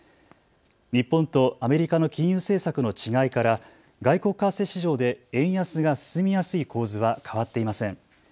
日本とアメリカの金融政策の違いから外国為替市場で円安が進みやすい構図は変わっていません。